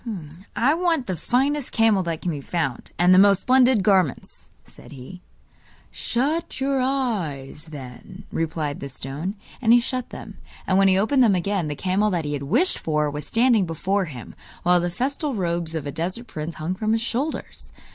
'I want the finest camel that can be found, and the most splendid garments,' said he. 'Shut your eyes then,' replied the stone. And he shut them; and when he opened them again the camel that he had wished for was standing before him, while the festal robes of a desert prince hung from his shoulders.